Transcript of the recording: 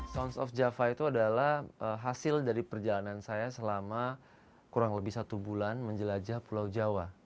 sounds of java itu adalah hasil dari perjalanan saya selama kurang lebih satu bulan menjelajah pulau jawa